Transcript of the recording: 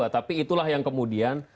tapi itulah yang kemudian